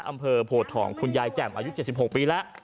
อำเภอโพทองคุณยายแจ่มอายุ๗๖ปีแล้ว